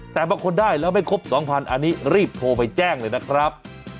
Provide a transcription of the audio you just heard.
แต่บางคนได้แล้วไม่ครบ๒๐๐อันนี้รีบโทรไปแจ้งเลยนะครับ